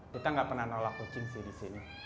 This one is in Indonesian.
kita nggak pernah nolak kucing sih di sini